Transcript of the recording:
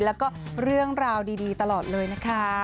แล้วก็เรื่องราวดีตลอดเลยนะคะ